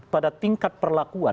pada tingkat perlakuan